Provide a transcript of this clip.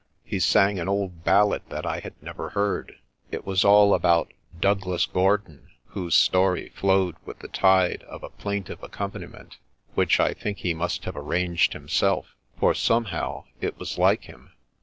He sang an old ballad that I had never heard. It was all about " Douglas Gordon," whose story flowed with the tide of a plaintive accompaniment which I think he must have arranged himself: for somehow, it was like him.